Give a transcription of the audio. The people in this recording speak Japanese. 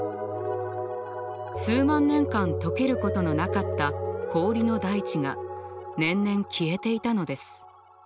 数万年間解けることのなかった氷の大地が年々消えていたのです。